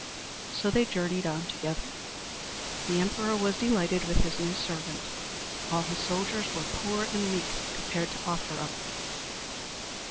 So they journeyed on together. The emperor was delighted with his new servant. All his soldiers were poor and weak compared to Offero.